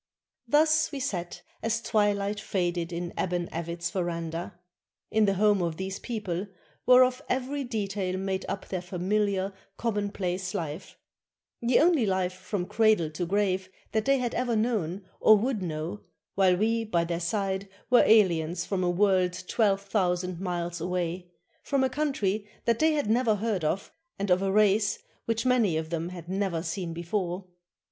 Thus we sat as twilight faded in Aban Avit's veranda, — in the home of these people, whereof every detail made up their familiar, commonplace life, the only life from cradle to grave that they had ever known or would know, while we by their side were aliens from a world twelve thousand miles away, from a country that they had never heard of, and of a race which many of them had never seen before.